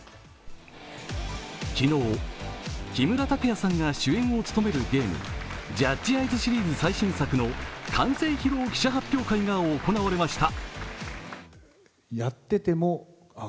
昨日、木村拓哉さんが主演を務めるゲーム「ＪＵＤＧＥ：ＥＹＥＳ」シリーズ最新作の完成披露記者発表会が行われました。